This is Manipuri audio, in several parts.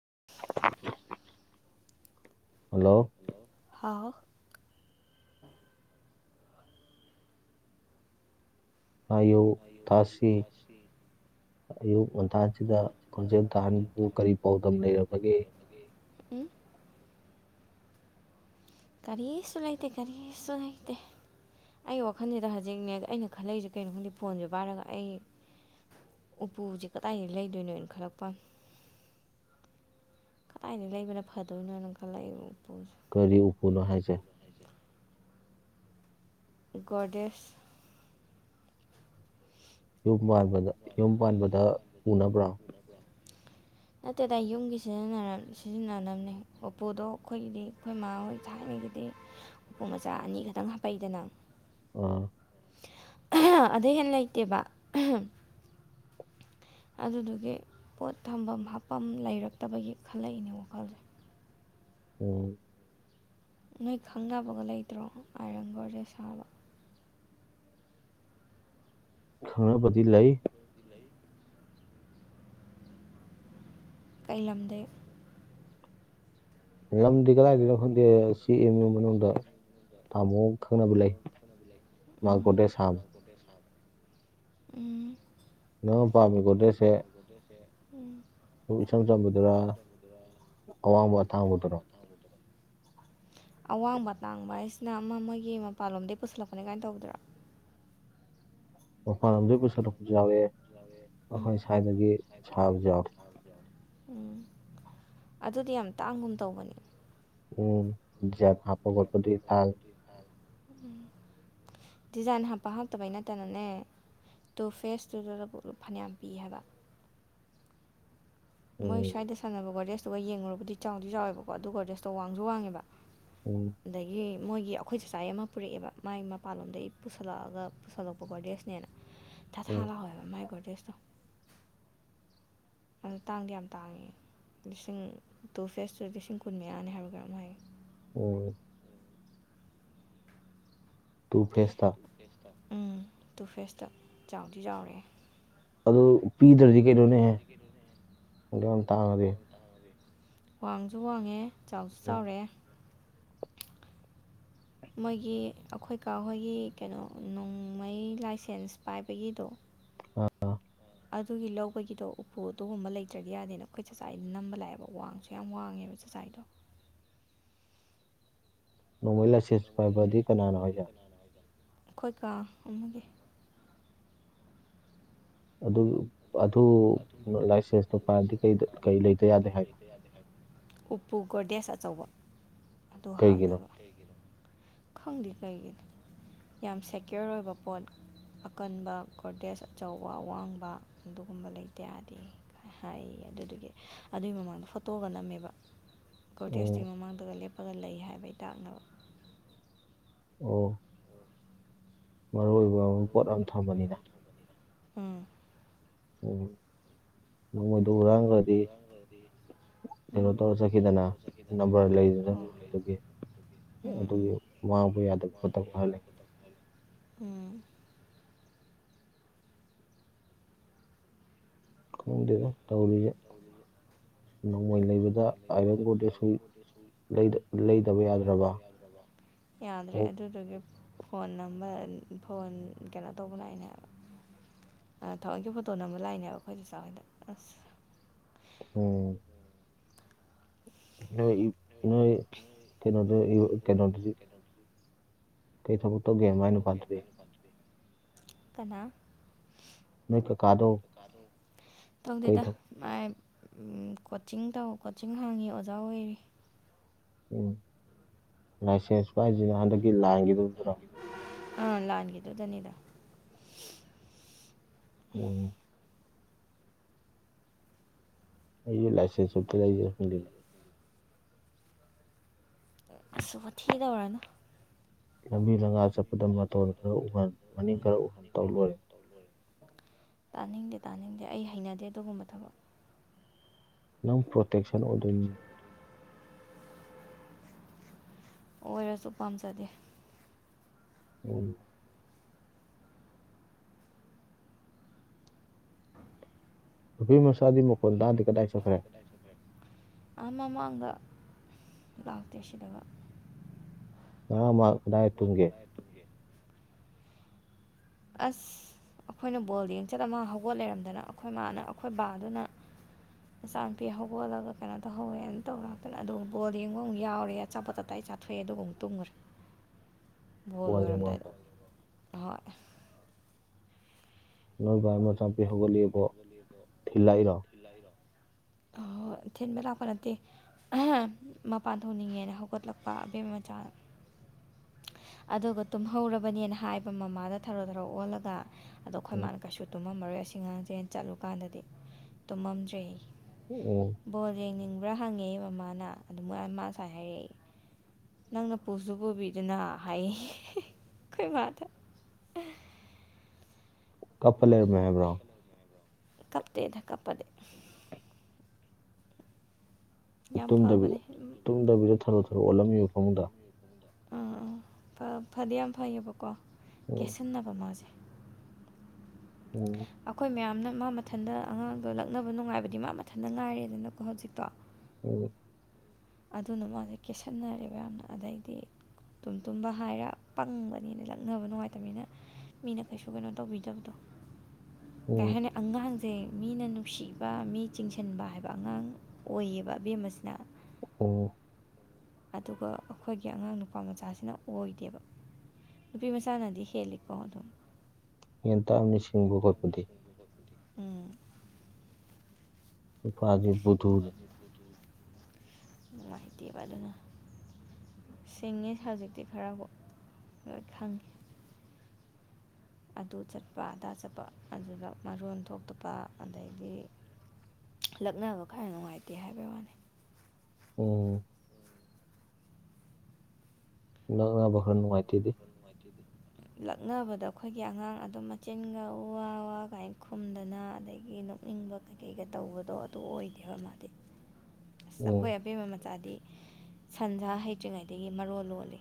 [inaudible] ꯍꯜꯂꯣ ꯍꯥꯥꯎ ꯍꯥꯏꯌꯨ ꯇꯥꯁꯤ ꯑꯌꯨꯛ ꯉꯟꯇꯥꯁꯤꯗ ꯈꯣꯟꯖꯦꯟ ꯇꯥꯍꯟꯕꯨ ꯀꯔꯤ ꯄꯥꯎꯗꯝ ꯂꯩꯔꯕꯒꯦ ꯎꯨꯝ ꯀꯔꯤꯁꯨ ꯂꯩꯇꯦ ꯀꯔꯤꯁꯨ ꯂꯩꯇꯦ ꯑꯩ ꯋꯥꯈꯟꯖꯤꯗ ꯍꯖꯤꯛꯅꯦ ꯑꯩꯅ ꯈꯜꯂꯛꯏꯖꯦ ꯀꯩꯅꯣ ꯈꯪꯗꯦ ꯐꯣꯟꯖꯦ ꯄꯥꯏꯔꯒ ꯑꯩ ꯎꯄꯨꯖꯦ ꯀꯗꯥꯏꯗꯩ ꯂꯩꯗꯣꯏꯅꯣꯟ ꯈꯜꯂꯛꯄꯥꯋꯥꯟ ꯀꯗꯥꯏꯗꯩ ꯂꯩꯕꯅ ꯐꯗꯣꯏꯅꯣꯅ ꯀꯜꯂꯛꯏ ꯎꯄꯨꯖꯦ ꯀꯔꯤ ꯎꯄꯨꯅꯣ ꯍꯥꯏꯖꯦ ꯒꯣꯔꯗꯦꯁ ꯌꯨꯝ ꯄꯥꯟꯕꯗ ꯌꯨꯝ ꯄꯥꯟꯕꯗ ꯄꯨꯅꯕ꯭ꯔꯥ [inaudible] ꯅꯠꯇꯦꯗ ꯌꯨꯝꯒꯤ ꯁꯤꯖꯤꯟꯅꯔꯝ ꯁꯤꯖꯤꯟꯅꯅꯕꯅꯦ ꯎꯞꯄꯨꯗꯣ ꯑꯩꯈꯣꯏꯒꯤꯗꯤ ꯑꯩꯈꯣꯏ ꯃꯥꯥꯍꯣꯏ ꯊꯥꯏꯅꯩꯒꯤ ꯗꯤ ꯎꯄꯨ ꯃꯆꯥ ꯑꯅꯤ ꯈꯛꯇꯪ ꯍꯥꯞꯄꯛꯏꯗꯅ ꯑꯥ ꯑꯍꯥ ꯑꯗꯩ ꯍꯦꯟꯅ ꯂꯩꯇꯦꯕ ꯑꯍꯥꯝ ꯑꯗꯨꯗꯨꯒꯤ ꯄꯣꯠ ꯊꯝꯐꯝ ꯍꯥꯞꯄꯝ ꯂꯩꯔꯛꯇꯕꯒꯤ ꯈꯜꯂꯛꯏꯅꯦ ꯋꯥꯈꯜꯖꯦ ꯎꯝ ꯅꯣꯏ ꯈꯪꯅꯕꯒ ꯂꯩꯇ꯭ꯔꯣ ꯑꯥꯏꯔꯟ ꯒꯣꯔꯗꯦꯁ ꯁꯥꯕ ꯈꯪꯅꯕꯗꯤ ꯂꯩ ꯂꯩ ꯀꯩ ꯂꯝꯗꯩ ꯂꯝꯗꯤ ꯀꯗꯥꯏꯗꯒꯤꯅꯣ ꯈꯪꯗꯦ ꯁꯤ ꯑꯦꯝ ꯎ ꯃꯅꯨꯡꯗ ꯇꯥꯝꯃꯣ ꯈꯪꯅꯕ ꯂꯩ ꯃꯥ ꯎꯝ ꯒꯣꯗ꯭ꯔꯦꯖ ꯍꯥꯝꯃꯤ [unintelligible] ꯎꯝ ꯅꯪꯅ ꯄꯥꯝꯃꯤ ꯒꯣꯔꯗꯦꯁ ꯁꯦ ꯒꯣꯔꯗꯦꯁ ꯁꯦ ꯎꯝ ꯁꯨꯝ ꯏꯆꯝ ꯆꯝꯕꯗꯨꯔꯥ ꯑꯋꯥꯡꯕ ꯑꯇꯥꯡꯕꯗꯨꯔꯣ ꯑꯋꯥꯡꯕ ꯑꯇꯥꯡꯕ ꯍꯥꯏꯁꯤꯅ ꯑꯃ ꯃꯣꯏꯒꯤ ꯃꯄꯥꯟꯂꯣꯝꯗꯒꯤ ꯄꯨꯁꯜꯂꯛꯄꯅꯦ ꯀꯥꯏꯅ ꯇꯧꯕꯗꯨꯔꯣ ꯃꯄꯥꯟ ꯂꯝꯗꯩ ꯄꯨꯁꯜꯂꯛꯄꯁꯨ ꯌꯥꯎꯏ ꯑꯩꯈꯣꯏ ꯎꯝ ꯁ꯭ꯋꯥꯏꯗꯒꯤ ꯁꯥꯕꯁꯨ ꯌꯥꯎꯋꯦ ꯎꯝ ꯑꯗꯨꯗꯤ ꯌꯥꯝ ꯇꯥꯡꯒꯨꯝ ꯇꯧꯕꯅꯤ ꯎꯝ ꯖꯤꯑꯥꯏꯞ ꯍꯥꯞꯄ ꯈꯣꯠꯄꯗꯤ ꯇꯥꯡꯏ ꯗꯤꯖꯥꯏꯟ ꯎꯝ ꯗꯤꯖꯥꯏꯟ ꯍꯥꯞꯄ ꯍꯥꯞꯇꯕꯩ ꯅꯠꯇꯅꯅꯦ ꯇꯨ ꯐꯦꯁ ꯇꯨꯗꯨꯗꯕꯨꯛ ꯐꯅꯌꯥꯝ ꯄꯤ ꯍꯥꯏꯕ ꯃꯣꯏ ꯎꯝ ꯁ꯭ꯋꯥꯏꯗ ꯁꯥꯟꯅꯕ ꯒꯣꯔꯗ꯭ꯔꯦꯖꯇꯨꯒ ꯌꯦꯡꯉꯨꯔꯕꯨꯗꯤ ꯆꯥꯎꯗꯤ ꯆꯥꯎꯋꯦꯕꯀꯣ ꯑꯗꯨ ꯒꯣꯔꯗ꯭ꯔꯦꯖꯇꯣ ꯋꯥꯡꯁꯨ ꯋꯥꯡꯉꯦꯕ ꯎꯝ ꯑꯗꯒꯤ ꯃꯣꯏꯒꯤ ꯑꯩꯈꯣꯏ ꯆꯥꯆꯥꯏ ꯑꯃ ꯄꯨꯔꯛꯑꯦꯕ ꯃꯥꯏ ꯃꯄꯥꯟꯂꯣꯝꯗꯒꯤ ꯄꯨꯁꯜꯂꯛ ꯑꯒ ꯄꯨꯁꯜꯂꯛꯄ ꯒꯣꯔꯗꯦꯁꯅꯦꯅ ꯊꯥ ꯊꯥ ꯎꯝ ꯂꯥꯎꯋꯦꯕ ꯃꯥꯏ ꯒꯣꯔꯗꯦꯁꯇꯣ ꯑꯗꯨ ꯇꯥꯡꯗꯤ ꯌꯥꯝ ꯇꯥꯡꯉꯦ ꯂꯤꯁꯤꯡ ꯇꯨ ꯐꯦꯁꯇꯨ ꯂꯤꯁꯤꯡ ꯀꯨꯟ ꯃꯌꯥꯅꯤ ꯍꯥꯏꯕ꯭ꯔ ꯀꯩꯅꯣꯝ ꯍꯥꯏꯌꯦ ꯑꯣ ꯇꯨ ꯐꯦꯁꯇꯣ ꯇꯨ ꯐꯦꯁꯇ ꯎꯝ ꯇꯨ ꯐꯦꯁꯇ ꯆꯥꯎꯗꯤ ꯆꯥꯎꯔꯦ ꯑꯗꯨ ꯄꯤꯗ꯭ꯔꯗꯤ ꯀꯩꯅꯣꯅꯦꯍꯦ ꯑꯗꯨꯛꯌꯥꯝ ꯇꯥꯡꯉꯗꯤ ꯋꯥꯡꯖꯨ ꯋꯥꯡꯉꯦ ꯆꯥꯎꯁꯨ ꯆꯥꯎꯔꯦ ꯃꯣꯏꯒꯤ ꯑꯩꯈꯣꯏ ꯀꯥ ꯍꯣꯏꯒꯤ ꯀꯩꯅꯣ ꯅꯣꯡꯃꯩ ꯂꯥꯏꯁꯦꯟꯁ ꯄꯥꯏꯕꯒꯤꯗꯣ ꯑꯥ ꯑꯥ ꯑꯗꯨꯒꯤ ꯂꯧꯕꯒꯤꯗꯣ ꯎꯞꯄꯨ ꯑꯗꯨꯒꯨꯝꯕ ꯂꯩꯇ꯭ꯔꯗꯤ ꯌꯥꯗꯦꯅ ꯑꯩꯈꯣꯏ ꯆꯥꯆꯥꯏ ꯅꯝꯕ ꯂꯥꯛꯑꯦꯕ ꯋꯥꯡ ꯌꯥꯝ ꯋꯥꯡꯉꯦꯕ ꯆꯥꯆꯥꯏꯗꯣ ꯅꯣꯡꯃꯩ ꯂꯥꯏꯁꯦꯟ ꯄꯥꯏꯕ ꯑꯗꯤ ꯀꯅꯥꯅꯣ ꯍꯥꯏꯁꯦ ꯑꯩꯈꯣꯏ ꯀꯥ ꯑꯃꯒꯤ ꯑꯗꯨ ꯑꯗꯨ ꯂꯥꯏꯁꯦꯟꯁꯇꯣ ꯄꯥꯏꯔꯗꯤ ꯀꯩꯗ ꯀꯩ ꯂꯩꯇ ꯌꯥꯗꯦ ꯍꯥꯏꯅꯣ ꯀꯌꯥꯗꯤ ꯍꯥꯏꯕ ꯎꯞꯄꯨ ꯒꯣꯔꯗꯦꯖ ꯑꯆꯧꯕ ꯑꯗꯨ ꯀꯩꯒꯤꯅꯣ ꯍꯥꯞꯅꯕ ꯀꯩꯒꯤꯅꯣ ꯈꯪꯗꯦ ꯀꯩꯒꯤꯅꯣ ꯌꯥꯝ ꯁꯦꯀ꯭ꯌꯣꯔ ꯑꯣꯏꯕ ꯄꯣꯠ ꯑꯀꯟꯕ ꯒꯣꯔꯗꯦꯖ ꯑꯆꯧꯕ ꯑꯋꯥꯡꯕ ꯑꯗꯨꯒꯨꯝꯕ ꯂꯩꯇ ꯌꯥꯗꯦꯌꯦ ꯍꯥꯏꯌꯦ ꯑꯗꯨꯗꯨꯒꯤ ꯑꯗꯨꯏ ꯃꯃꯥꯡꯗ ꯐꯣꯇꯣꯒ ꯅꯝꯃꯦꯕ ꯒꯣꯔꯗꯦꯖꯇꯨꯒꯤ ꯎꯝ ꯃꯃꯥꯡꯗꯒ ꯂꯦꯞꯄꯒ ꯂꯩ ꯍꯥꯏꯕꯩ ꯇꯥꯛꯅꯕ ꯑꯣ ꯃꯔꯨ ꯑꯣꯏꯕꯝ ꯄꯣꯠ ꯑꯝ ꯊꯝꯕꯅꯤꯗ ꯎꯝ ꯎꯝ ꯅꯣꯡꯃꯩꯗꯣ ꯍꯨꯔꯥꯟꯒ꯭ꯔꯗꯤ ꯀꯩꯅꯣ ꯎꯝ ꯇꯧꯔ ꯆꯠꯈꯤꯗꯅꯥ ꯅꯝꯕꯔ ꯂꯩꯗꯅ ꯑꯣ ꯅꯣꯡꯃꯩꯗꯨꯒꯤ ꯎꯝ ꯑꯗꯨꯒꯤ ꯎꯝ ꯃꯥꯡꯕ ꯌꯥꯗꯕ ꯈꯣꯠꯇꯕ ꯈꯔ ꯂꯩ ꯎꯝ ꯈꯪꯗꯦꯗ ꯇꯧꯔꯤꯖꯦ ꯅꯣꯡꯃꯩ ꯂꯩꯕ ꯃꯩ ꯂꯩꯕꯗ ꯑꯥꯏꯔꯟ ꯒꯣꯗ꯭ꯔꯦꯖꯁꯨ ꯂꯩꯗ꯭ꯔ ꯂꯩꯗꯕ ꯌꯥꯗ꯭ꯔꯕ ꯂꯩꯗ꯭ꯔꯕ ꯌꯥꯗ꯭ꯔꯕ ꯌꯥꯗ꯭ꯔꯦ ꯑꯗꯨꯗꯨꯒꯤ ꯐꯣꯟ ꯑꯃ ꯐꯣꯟ ꯀꯩꯅꯣ ꯇꯧꯕ ꯂꯥꯛꯏꯅꯦꯕ ꯑ ꯊꯋꯣꯏꯟꯀꯤ ꯐꯣꯇꯣ ꯅꯝꯕ ꯂꯥꯛꯏꯅꯦꯕ ꯑꯈꯣꯏ ꯆꯥꯆꯥ ꯍꯣꯏꯗ ꯑꯁ ꯑꯣ ꯅꯣꯏ ꯏ ꯅꯣꯏ ꯀꯩꯅꯣꯗꯣ ꯏ ꯀꯩꯅꯣꯗꯗꯤ ꯀꯩ ꯊꯕꯛ ꯀꯩ ꯃꯥꯏ ꯊꯕꯛ ꯇꯧꯒꯦ ꯅꯨꯄꯥꯗꯨꯗꯤ ꯃꯥꯏ ꯅꯨꯄꯥꯗꯨꯗꯤ ꯀꯅꯥ ꯅꯣꯏ ꯀꯀꯥꯗꯣ ꯅꯣꯏ ꯀꯀꯥꯗꯣ ꯀꯩ ꯇꯧꯗꯦꯗꯥ ꯊꯕꯛ ꯃꯥꯏ ꯎꯝ ꯀꯣꯆꯤꯡ ꯇꯧ ꯀꯣꯆꯤꯡ ꯍꯥꯡꯉꯤ ꯑꯣꯖꯥ ꯑꯣꯏꯔꯤ ꯎꯝ ꯂꯥꯏꯁꯦꯟꯁ ꯄꯥꯏꯖꯤꯅ ꯍꯟꯗꯛꯀꯤ ꯂꯥꯟꯒꯤꯗꯨꯗꯔꯣ ꯑ ꯂꯥꯟꯒꯤꯗꯨꯗꯅꯤꯗꯥ ꯎꯝ ꯑꯩꯖꯨ ꯂꯥꯏꯁꯦꯟꯁ ꯑꯝꯇ ꯂꯩꯖꯤꯔ ꯈꯪꯗꯦꯅꯦ ꯑꯁ ꯋꯥꯊꯤ ꯇꯧꯔꯅꯨ ꯂꯝꯕꯤ ꯂꯪꯒꯥꯥꯡ ꯆꯠꯄꯗ ꯃꯇꯣꯟ ꯈꯔ ꯎꯍꯟ ꯃꯅꯤꯡ ꯈꯔ ꯎꯍꯟ ꯇꯧ ꯂꯣꯏꯔꯦ ꯇꯥꯅꯤꯡꯗꯦ ꯇꯥꯅꯤꯡꯗꯦ ꯑꯩ ꯍꯩꯅꯗꯦ ꯑꯗꯨꯒꯨꯝꯕ ꯊꯕꯛ ꯅꯪ ꯄ꯭ꯔꯣꯇꯦꯛꯁꯟ ꯑꯣꯏꯗꯣꯏꯅꯤꯅꯦ ꯑꯣꯏꯔꯖꯨ ꯄꯥꯝꯖꯗꯦ ꯎꯝ ꯅꯨꯄꯤꯃꯆꯥꯗꯤ ꯃꯈꯣꯟ ꯇꯥꯗꯦ ꯀꯗꯥꯏ ꯆꯠꯈꯔꯦ ꯑꯥ ꯃꯃꯥꯡꯗ ꯂꯥꯛꯇꯦ ꯁꯤꯗꯒ ꯉꯔꯥꯡ ꯃꯥ ꯀꯗꯥꯏ ꯇꯨꯝꯒꯦ ꯇꯨꯝꯒꯦ ꯑꯁ ꯑꯈꯣꯏꯅ ꯕꯣꯜ ꯌꯦꯡ ꯆꯠꯂ ꯃꯥ ꯍꯧꯒꯠ ꯂꯩꯔꯝꯗꯅ ꯑꯈꯣꯏ ꯃꯥꯅ ꯑꯈꯣꯏꯕꯥꯗꯨꯅ ꯃꯆꯥꯅꯨꯨꯄꯤ ꯍꯧꯒꯣꯠꯂꯒ ꯀꯩꯅꯣ ꯇꯧꯍꯧꯑꯦꯅ ꯇꯧꯔꯥꯛꯇꯅ ꯑꯗꯨꯒ ꯕꯣꯜ ꯌꯦꯡꯕ ꯑꯃꯨꯛ ꯌꯥꯎꯔꯦ ꯑꯆꯥꯄꯣꯠ ꯇꯞ ꯇꯥꯏ ꯆꯥ ꯊꯣꯛꯑꯦ ꯑꯗꯨꯒ ꯑꯃꯨꯛ ꯇꯨꯝꯒꯔꯦ ꯕꯣꯜ ꯂꯣꯏꯔꯝꯗꯥꯏꯗ ꯑꯍꯣꯏ ꯅꯣꯏ ꯕꯥ ꯃꯆꯥꯅꯨꯄꯤ ꯍꯧꯒꯠꯂꯦꯕꯣ ꯊꯤꯜꯂꯛꯏꯔꯣ ꯊꯤꯂꯛꯏꯔꯣ ꯑꯍꯣꯏ ꯊꯤꯟꯕ ꯂꯥꯛꯄ ꯅꯠꯇꯦ ꯑꯍꯥ ꯃꯄꯥꯟ ꯊꯣꯛꯅꯤꯡꯉꯦꯅ ꯍꯧꯒꯠꯂꯛꯄ ꯑꯕꯦꯝꯃ ꯃꯆꯥ ꯑꯗꯨꯒ ꯇꯨꯝꯍꯧꯔꯕꯅꯦꯅ ꯍꯥꯏꯕ ꯃꯃꯥꯗ ꯊꯔꯣ ꯊꯔꯣ ꯑꯣꯜꯂꯒ ꯑꯗꯣ ꯈꯣꯏ ꯎꯝ ꯃꯥꯅ ꯀꯩꯁꯨ ꯇꯨꯝꯃꯝꯃꯔꯣꯏ ꯑꯁꯤ ꯉꯥꯡꯖꯦꯅ ꯆꯠꯂꯨꯀꯥꯟꯗꯗꯤ ꯇꯨꯝꯃꯝꯗ꯭ꯔꯦ ꯎꯝ ꯕꯣꯜ ꯌꯦꯡꯅꯤꯡꯕ꯭ꯔ ꯍꯪꯉꯦꯌꯦ ꯃꯃꯥꯅ ꯑꯗꯨ ꯃꯣꯏ ꯑꯃ ꯁꯥꯏ ꯍꯥꯏꯔꯛꯑꯦ ꯅꯪꯅ ꯄꯨꯁꯨ ꯄꯨꯕꯤꯗꯅ ꯍꯥꯏꯌꯦ ꯈꯣꯏ ꯃꯥꯗ ꯀꯞꯄ ꯂꯩꯔꯝꯃꯦ ꯍꯥꯏꯕ꯭ꯔꯣ ꯀꯞꯇꯦꯗ ꯀꯞꯄꯗꯤ ꯌꯥꯝ ꯐꯕꯅꯦ ꯎꯝ ꯊꯥꯡꯗꯕꯤꯌꯣ ꯊꯔꯣ ꯊꯔꯣ ꯑꯣꯠꯂꯝꯃꯤꯕ ꯐꯃꯨꯡꯗ ꯑꯥ ꯑꯥ ꯐ ꯐꯗꯤ ꯌꯥꯝ ꯐꯩꯌꯦꯕꯀꯣ ꯎꯝ ꯀꯦꯁꯟꯅꯕ ꯃꯥꯖꯦ ꯑꯣ ꯑꯈꯣꯏ ꯃꯌꯥꯝꯅ ꯃꯥ ꯃꯊꯟꯗ ꯑꯉꯥꯡꯗꯣ ꯂꯛꯅꯕ ꯅꯨꯡꯉꯥꯏꯕꯗꯤ ꯃꯥ ꯃꯊꯟꯗ ꯉꯥꯏꯔꯦꯗꯅꯀꯣ ꯍꯧꯖꯤꯛꯇꯣ ꯎꯝ ꯑꯗꯨꯅ ꯃꯥꯖꯦ ꯀꯦꯁꯟꯅꯔꯦꯕ ꯌꯥꯝꯅ ꯑꯗꯩꯗꯤ ꯇꯨꯝꯇꯨꯝꯕ ꯍꯥꯏꯔ ꯄꯪꯕꯅꯤꯅ ꯂꯛꯅꯕ ꯅꯨꯡꯉꯥꯏꯇꯝꯅꯤꯅ ꯃꯤꯅ ꯀꯩꯁꯨ ꯀꯩꯅꯣ ꯇꯧꯕꯤꯗꯕꯗꯣ ꯀꯩ ꯎꯝ ꯍꯥꯏꯅꯤ ꯑꯉꯥꯡꯖꯦ ꯃꯤꯅ ꯅꯨꯡꯁꯤꯕ ꯃꯤ ꯆꯤꯡꯁꯟꯕ ꯍꯥꯏꯕ ꯑꯉꯥꯡ ꯑꯣꯏꯌꯦꯕ ꯑꯕꯦꯝꯃꯥꯁꯤꯅ ꯑꯣ ꯑꯗꯨꯒ ꯑꯈꯣꯏꯒꯤ ꯑꯉꯥꯡ ꯅꯨꯄꯥ ꯃꯆꯥꯁꯤꯅ ꯑꯣꯏꯗꯦꯕ ꯅꯨꯨꯄꯤ ꯃꯆꯥꯅꯗꯤ ꯍꯦꯜꯂꯤ ꯀꯣ ꯑꯗꯨꯝ ꯍꯦꯟ ꯇꯥꯝꯅꯤꯁꯤ [unintelligible] ꯎꯝ ꯅꯨꯄꯥꯗꯤ ꯕꯨꯠ [unintelligible] ꯅꯨꯡꯉꯥꯏꯇꯦꯕ ꯑꯗꯨꯅ ꯁꯤꯡꯉꯦ ꯍꯧꯖꯤꯛꯇꯤ ꯈꯔꯕꯨ ꯂꯣꯏ ꯈꯪꯉꯦ ꯑꯗꯨ ꯆꯠꯄ ꯑꯗꯥ ꯆꯠꯄ ꯑꯗꯨꯗ ꯃꯔꯣꯟ ꯊꯣꯛꯇꯄ ꯑꯗꯩꯗꯤ ꯂꯛꯅꯕ ꯈꯔ ꯅꯨꯡꯉꯥꯏꯇꯦ ꯍꯥꯏꯕꯩ ꯋꯥꯅꯤ ꯎꯝ ꯂꯛꯅꯕ ꯈꯔ ꯅꯨꯡꯉꯥꯏꯇꯦꯗꯤ ꯅꯨꯡꯉꯥꯏꯇꯦꯗꯤ ꯂꯛꯅꯕꯗ ꯑꯩꯈꯣꯏꯒꯤ ꯑꯉꯥꯡ ꯑꯗꯨꯝ ꯃꯆꯤꯟꯒ ꯎꯋꯥ ꯎꯋꯥ ꯀꯥꯏ ꯈꯨꯝꯗꯅ ꯑꯗꯒꯤ ꯅꯤꯡꯕ ꯀꯩꯀꯩꯒ ꯇꯧꯕꯗꯣ ꯑꯗꯨ ꯑꯣꯏꯗꯦꯕ ꯃꯥꯗꯤ꯫ ꯑꯁ ꯑꯩꯈꯣꯏ ꯎꯝ ꯑꯕꯦꯝꯃꯥ ꯃꯆꯥꯗꯤ ꯁꯟꯁꯥ ꯍꯩꯇ꯭ꯔꯤꯉꯩꯗꯒꯤ ꯃꯔꯣꯜ ꯂꯣꯜꯂꯦ꯫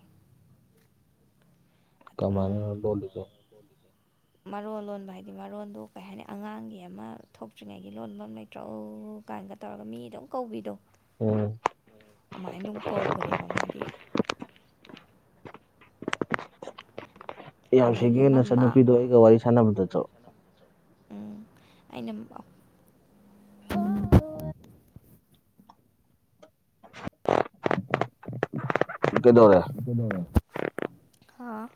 ꯀꯃꯥꯏꯅꯅꯣ ꯂꯣꯜꯂꯤꯖꯦ꯫ [inaudible] ꯃꯔꯣꯟ ꯂꯣꯟꯕ ꯍꯥꯏꯗꯤ ꯃꯔꯣꯟꯗꯣ ꯀꯩ ꯍꯥꯏꯅꯤ ꯑꯉꯥꯡꯒꯤ ꯑꯃ ꯊꯣꯛꯇ꯭ꯔꯤꯉꯩꯒꯤ ꯂꯣꯟꯕꯝ ꯂꯩꯇ꯭ꯔꯣ ꯑꯧ ꯀꯥꯏꯟꯒ ꯇꯧꯔꯒ ꯃꯤ ꯑꯗꯨꯝ ꯀꯧꯕꯤꯗꯣ ꯎꯝ ꯑꯃꯥꯏꯟ ꯑꯗꯨꯝ ꯀꯧꯒ꯭ꯔꯦꯕ ꯃꯥꯗꯤ꯫ ꯌꯥꯝ ꯑꯗꯒꯤ ꯁꯤꯡꯒꯦ ꯃꯃꯥ ꯅꯆꯟꯅꯨꯄꯤꯗꯣ ꯑꯩꯒ ꯋꯥꯔꯤ ꯁꯥꯟꯅꯕꯗꯖꯣ꯫ ꯎꯝ ꯑꯩꯅ [unintelligible] ꯀꯩꯗꯧꯔꯦ꯫ [unintelligible] ꯍꯥꯥ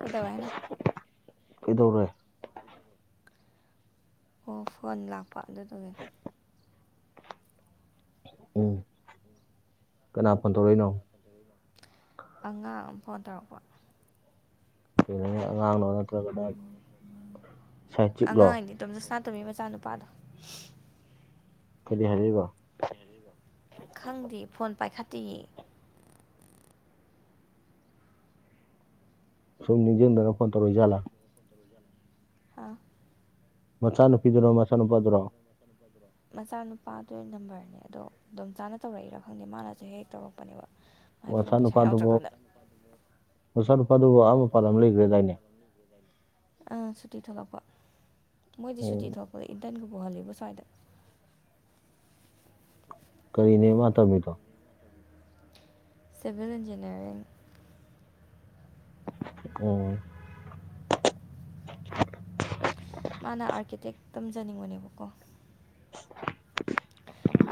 ꯀꯩꯗꯧꯋꯦ ꯍꯥꯏꯅꯣ ꯀꯩꯗꯧꯔꯦ꯫ ꯑꯣ ꯐꯣꯟ ꯂꯥꯛꯄ ꯑꯗꯨꯗꯨꯒꯤ [inaudible] ꯎꯝ ꯀꯅꯥ ꯐꯣꯟ ꯇꯧꯔꯛꯏꯅꯣ꯫ ꯑꯉꯥꯡ ꯑꯃ ꯐꯣꯟ ꯇꯧꯔꯛꯄ꯫ ꯀꯩꯅꯣꯅꯦ ꯑꯉꯥꯡꯅꯣ ꯅꯠꯇ꯭ꯔꯒꯅ ꯁꯥꯏꯡꯆꯤꯛꯂꯣ꯫ ꯗꯣꯝꯆꯥ ꯁꯅꯥꯇꯣꯃꯤ ꯃꯆꯥꯅꯨꯄꯥꯗꯣ꯫ ꯀꯔꯤ ꯍꯥꯏꯔꯛꯏꯕ꯫ ꯈꯪꯗꯦ ꯐꯣꯟ ꯄꯥꯏꯈꯠꯇꯤꯌꯦ꯫ ꯁꯨꯝ ꯅꯤꯡꯖꯤꯡꯗꯅ ꯐꯣꯟ ꯇꯧꯔꯛꯏ ꯖꯥꯠꯂ꯫ ꯍꯥꯥ ꯃꯆꯥ ꯅꯨꯄꯤꯗꯨꯔꯣ ꯃꯆꯥ ꯅꯨꯄꯥꯗꯨꯔꯣ꯫ ꯃꯆꯥꯅꯨꯄꯥ ꯗꯣꯏ ꯅꯝꯕꯔꯅꯦ ꯑꯗꯣ ꯗꯨꯝꯆꯥꯅ ꯇꯧꯔꯛꯏꯔ ꯈꯪꯗꯦ ꯃꯥꯅꯁꯨ ꯍꯦꯛ ꯇꯧꯔꯛꯄꯅꯦꯕ꯫ ꯃꯥꯏ ꯐꯣꯟ ꯄꯩꯁꯥ ꯌꯥꯎꯗ꯭ꯔꯀꯥꯟꯗ꯫ ꯃꯆꯥ ꯅꯨꯄꯥꯗꯨꯕꯨ ꯑꯥ ꯃꯄꯥꯜ ꯂꯝ ꯂꯩꯒ꯭ꯔꯦꯗꯥꯏꯅꯦ꯫ ꯑꯥ ꯁꯨꯇꯤ ꯊꯣꯛꯂꯛꯄ ꯃꯣꯏꯗꯤ ꯁꯨꯇꯤ ꯑꯣ ꯊꯣꯛꯄꯗ ꯏꯟꯇꯟꯒ ꯄꯨꯍꯜꯂꯤꯕꯣ ꯁ꯭ꯋꯥꯏꯗ꯫ ꯀꯔꯤꯅꯦ ꯃꯥ ꯇꯝꯃꯤꯗꯣ꯫ Civil engineering. ꯑꯣ꯫ ꯃꯥꯅ ꯑꯥꯔꯀꯤꯇꯦꯛ ꯇꯝꯖꯅꯤꯡꯕꯅꯦꯕꯀꯣ꯫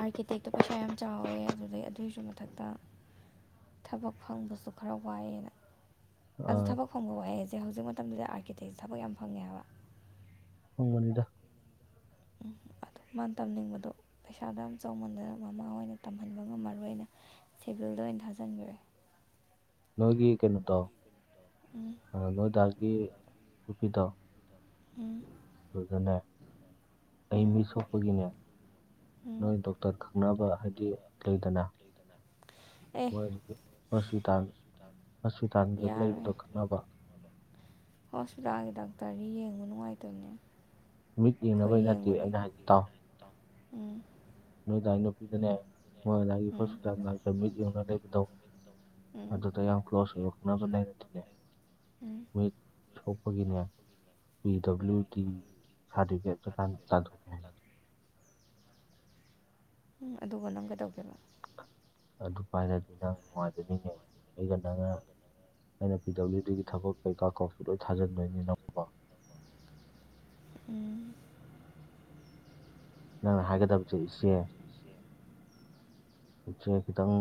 ꯑꯥꯔꯀꯤꯇꯦꯛꯇꯣ ꯄꯩꯁꯥ ꯌꯥꯝ ꯆꯥꯎꯋꯦ ꯑꯗꯨꯗꯩ ꯑꯗꯨꯏꯁꯨ ꯃꯊꯛꯇ꯫ ꯊꯕꯛ ꯐꯪꯕꯁꯨ ꯈꯔ ꯋꯥꯏꯌꯦꯅ꯫ ꯑꯗꯨ ꯑꯥ ꯊꯕꯛ ꯐꯪꯕ ꯋꯥꯌꯦ ꯍꯥꯖꯦ ꯍꯧꯖꯤꯛ ꯃꯇꯝꯗ ꯑꯥꯔꯀꯤꯇꯦꯛꯁ ꯊꯕꯛ ꯌꯥꯝ ꯐꯪꯉꯦ ꯍꯥꯏꯕ꯫ ꯐꯪꯕꯅꯤꯗ꯫ ꯎꯝ ꯑꯗꯣ ꯃꯥ ꯇꯝꯅꯤꯡꯕꯗꯣ꯫ ꯄꯩꯁꯥꯗꯣ ꯌꯥꯝ ꯆꯥꯎꯧꯃꯟꯗꯅ ꯃꯃꯥ ꯑꯣꯏꯅ ꯇꯝꯍꯟꯕ ꯉꯝꯃꯔꯣꯏꯅ ꯁꯦꯚꯤꯜꯗ ꯑꯣꯏꯅ ꯊꯥꯖꯤꯟꯒꯔꯦ꯫ ꯅꯣꯏꯒꯤ ꯀꯩꯅꯣꯗꯣ ꯎꯝ ꯅꯣꯏꯗꯥꯒꯤ ꯅꯨꯨꯄꯤ ꯗꯣ ꯎꯝ꯫ ꯑꯗꯨꯗꯅꯦ ꯑꯩ ꯎꯝ ꯃꯤꯠ ꯁꯣꯛꯄꯒꯤꯅꯦ꯫ ꯎꯝ ꯅꯣꯏ ꯗꯣꯛꯇꯔ ꯈꯪꯅꯕ ꯍꯥꯏꯗꯤ ꯂꯩꯗꯅ ꯑꯦ ꯃꯣꯏ ꯍꯣꯁꯄꯤꯇꯥꯜ ꯍꯣꯁꯄꯤꯇꯥꯜꯗ ꯌꯥꯔꯣꯏ ꯂꯩꯕꯗꯣ ꯈꯪꯅꯕ꯫ ꯍꯣꯁꯄꯤꯇꯥꯜꯒꯤ ꯗꯥꯛꯇꯔꯗꯤ ꯌꯦꯡꯕ ꯅꯨꯡꯉꯥꯏꯇꯕꯅꯦ꯫ ꯃꯤꯠ ꯑꯩꯈꯣꯏ ꯌꯦꯡꯅꯕꯩ ꯅꯠꯇꯦ ꯌꯦꯡꯉꯨꯔꯦ ꯑꯩꯅ ꯍꯥꯏꯗꯤ ꯇꯥꯎ꯫ ꯎꯝ꯫ ꯅꯣꯏꯗꯥꯏ ꯅꯨꯄꯤꯗꯅꯦ ꯃꯣꯏ ꯑꯗꯥꯏꯒꯤ ꯎꯝ ꯍꯣꯁꯄꯤꯇꯥꯜ ꯉꯥꯡꯇ ꯃꯤ ꯌꯧꯅ ꯂꯩꯕꯗꯣ ꯎꯝ ꯑꯗꯨꯗ ꯌꯥꯝ ꯀ꯭ꯂꯣꯖ ꯑꯣꯏꯕ ꯈꯪꯅꯕ ꯂꯩꯔꯗꯤꯅꯦ ꯎꯝ ꯃꯤꯠ ꯁꯣꯛꯄꯒꯤꯅꯦ ꯄꯤ ꯗꯕ꯭ꯂꯤꯎꯇꯤ ꯁꯔꯇꯤꯐꯤꯀꯦꯠꯇꯨ ꯇꯥꯟ ꯇꯥꯟꯊ ꯎꯝ ꯑꯗꯨꯒ ꯅꯪ ꯀꯩꯗꯧꯒꯦꯕ ꯑꯗꯨ ꯄꯥꯏꯔꯗꯤ ꯅꯪ ꯅꯨꯡꯉꯥꯏꯗꯨꯅꯤꯡꯅꯦ ꯑꯩꯒ ꯅꯪꯅ ꯑꯩꯅ ꯄꯤ ꯗꯕ꯭ꯂꯤꯎꯇꯤꯒꯤ ꯊꯕꯛ ꯀꯩꯀꯥ ꯀꯥꯎꯁꯨ ꯂꯣꯏ ꯊꯥꯖꯤꯟꯗꯣꯏꯅꯤ ꯅꯪ ꯎꯝ ꯅꯪꯅ ꯍꯥꯏꯒꯗꯕꯁꯦ ꯏꯆꯦ ꯏꯆꯦ ꯈꯤꯇꯪ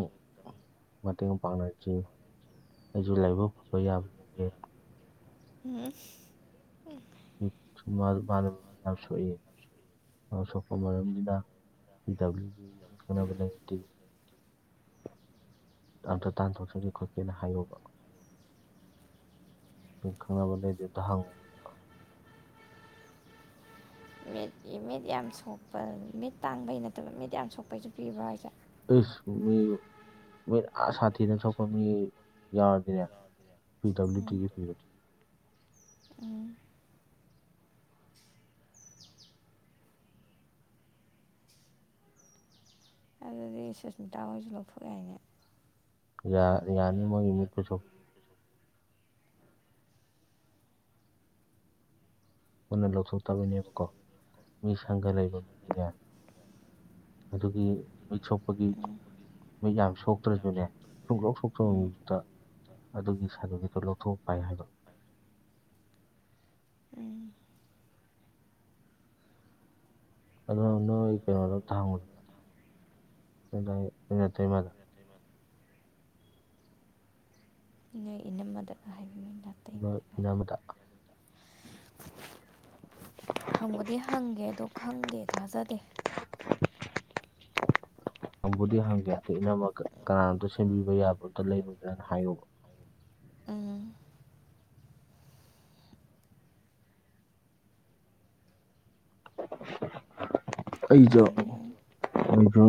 ꯃꯇꯦꯡ ꯄꯥꯡꯅꯁꯤ ꯑꯩꯁꯨ ꯂꯥꯏꯕꯛ ꯐꯕ ꯌꯥꯕ ꯌꯦꯡꯒꯦ ꯎꯝ ꯁꯨꯝ ꯃꯗꯨ ꯃꯗꯨ ꯌꯥꯝ ꯁꯣꯛꯏ ꯃꯥ ꯁꯣꯛꯄ ꯃꯔꯝꯁꯤꯅ ꯄꯤ ꯗꯕ꯭ꯂꯤ ꯒꯤ ꯃꯤ ꯈꯪꯅꯕ ꯂꯩꯇꯤ ꯑꯝꯇ ꯇꯥꯟꯊꯣꯛꯆꯒꯦ ꯈꯣꯠꯀꯦꯅ ꯍꯥꯏꯌꯣꯕ ꯑꯗꯨ ꯈꯪꯅꯕ ꯂꯩꯔꯗꯤ ꯑꯝꯇ ꯍꯪꯉꯣ ꯃꯤꯠ ꯃꯤꯠ ꯌꯥꯝ ꯁꯣꯛꯄ ꯃꯤꯠ ꯇꯥꯡꯕꯩ ꯅꯠꯇꯕ ꯃꯤꯠ ꯌꯥꯝ ꯁꯣꯛꯄꯩꯁꯨ ꯄꯤꯕ꯭ꯔꯣ ꯍꯥꯏꯁꯦ ꯏꯁ ꯃꯤ ꯃꯤꯠ ꯑꯥ ꯁꯥꯊꯤꯅ ꯁꯣꯛꯄ ꯃꯤ ꯌꯥꯎꯔꯗꯤꯅꯦ ꯄꯤ ꯎꯝ ꯗꯕꯂꯤꯌꯨꯇꯤꯒꯤ ꯄꯤꯕꯟ ꯎꯝ ꯑꯗꯨꯗꯤ ꯑꯩ ꯁꯨꯁꯃꯤꯇꯥ ꯍꯣꯏꯁꯨ ꯂꯧꯊꯣꯛ ꯌꯥꯏꯅꯦ ꯌꯥ ꯌꯥꯅꯤ ꯃꯣꯏꯒꯤ ꯃꯤꯠꯇꯨꯁꯨ ꯄꯨꯟꯅ ꯂꯧꯊꯣꯛꯇꯕꯩꯅꯦꯕꯀꯣ ꯃꯤ ꯁꯪꯒ ꯂꯩꯕ ꯃꯤꯗꯤꯅꯦ ꯑꯗꯨꯒꯤ ꯃꯤꯠ ꯁꯣꯛꯄꯒꯤ ꯎꯝ ꯃꯌꯥꯝ ꯁꯣꯛꯇ꯭ꯔꯁꯨꯅꯦ ꯁꯨꯡꯂꯥꯎ ꯁꯣꯛꯇꯕ ꯎꯝ ꯃꯤꯛꯇ ꯑꯗꯨꯒꯤ ꯁꯥꯔꯇꯤꯐꯤꯒꯦꯠꯗꯣ ꯂꯧꯊꯣꯛ ꯄꯥꯏ ꯍꯥꯏꯕ ꯎꯝ ꯑꯗꯨꯅ ꯅꯣꯏ ꯀꯩꯅꯣꯗꯣ ꯇ ꯍꯪꯕꯨꯗꯅ ꯅꯣꯏꯗꯥꯏ ꯅꯣꯏ ꯅꯠꯇꯩꯃꯗ ꯅꯣꯏ ꯏꯅꯝꯃꯗ ꯅꯣꯏ ꯏꯅꯝꯃꯗ ꯍꯪꯕꯗꯤ ꯍꯪꯒꯦ ꯑꯗꯣ ꯈꯪꯗꯦ ꯊꯥꯖꯗꯦ [inaudible] ꯍꯪꯕꯨꯗꯤ ꯍꯪꯒꯦ ꯑꯗꯨ ꯏꯅꯝꯃꯒ ꯀꯅꯥꯝꯇ ꯁꯦꯝꯕꯤꯕ ꯌꯥꯕ ꯑꯝꯇ ꯂꯩꯔꯣꯏꯗ꯭ꯔꯥꯅ ꯍꯥꯏꯌꯣꯕ ꯎꯝ ꯑꯩꯖꯣ ꯍꯪꯒꯦ ꯑꯩꯗꯣ